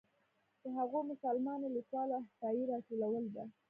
د هغو مسلمانو لیکوالو احصایې راټولول ده.